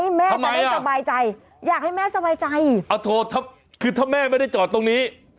ทำไมอ่ะแม่จะได้สบายใจอยากให้แม่สบายใจอ่าโถคือถ้าแม่ไม่ได้จอดตรงนี้